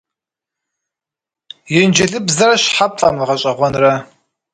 Инджылызыбзэр щхьэ пфӀэмыгъэщӀэгъуэнрэ?